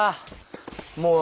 もう。